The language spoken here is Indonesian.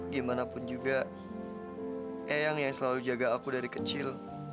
gimanapun juga ayang yang selalu jaga aku dari kecil